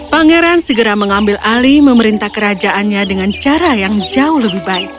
pangeran segera mengambil alih memerintah kerajaannya dengan cara yang jauh lebih baik